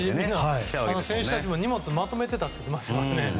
選手たちも荷物をまとめていたといいますから。